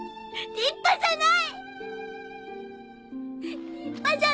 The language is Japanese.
立派じゃない。